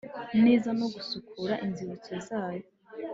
neza no gusukura inzibutso zayo